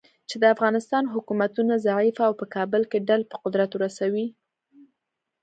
چې د افغانستان حکومتونه ضعیفه او په کابل کې ډلې په قدرت ورسوي.